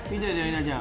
稲ちゃん。